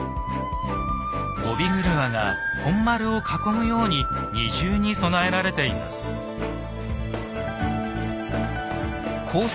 帯曲輪が本丸を囲むように二重に備えられています。